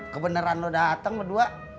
kebeneran lu dateng lu dua